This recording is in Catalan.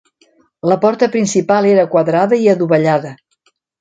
La porta principal era quadrada i adovellada.